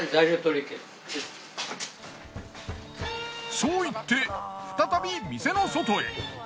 そう言って再び店の外へ。